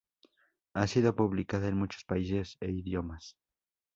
Ha sido publicada en muchos países e idiomas.